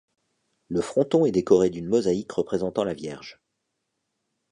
Le fronton est décoré d'une mosaïque représentant la Vierge.